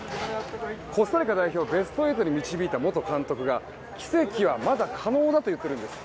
コスタリカ代表をベスト８に導いた元監督が奇跡はまだ可能だと言っているんです。